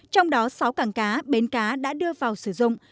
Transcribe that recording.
trong đó sáu cảng cá bến cá đã đưa vào sử dụng